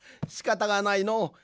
しかたがないのう。